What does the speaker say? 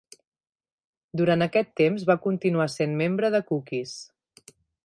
Durant aquest temps, va continuar sent membre de Cookies.